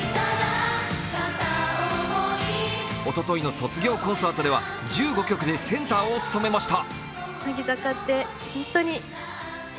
おとといの卒業コンサートでは１５曲でセンターを務めました。